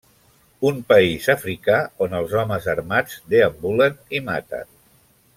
Un país africà on els homes armats deambulen i maten.